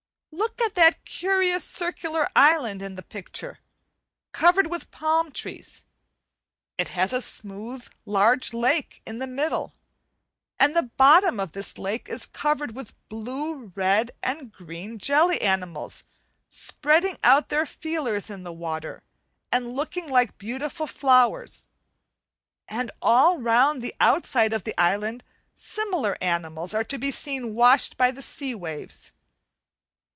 Look at that curious circular island in the picture, covered with palm trees; it has a large smooth lake in the middle, and the bottom of this lake is covered with blue, red, and green jelly animals, spreading out their feelers in the water and looking like beautiful flowers, and all round the outside of the island similar animals are to be seen washed by the sea waves.